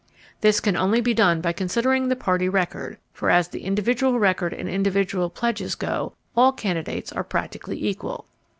This can only be done by considering the Party record, for as the individual record and individual pledges go, all candidates are practically equal.